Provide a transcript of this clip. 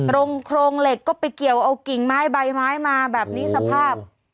โครงเหล็กก็ไปเกี่ยวเอากิ่งไม้ใบไม้มาแบบนี้สภาพ